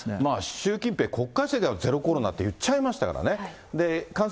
習近平国家主席がゼロコロナって言っちゃいましたからね。